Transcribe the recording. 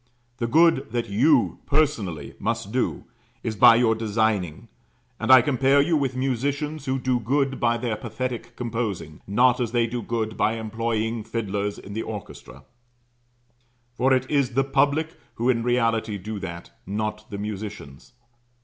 The good that you personally must do is by your designing; and I compare you with musicians who do good by their pathetic composing, not as they do good by employing fiddlers in the orchestra; for it is the public who in reality do that, not the musicians.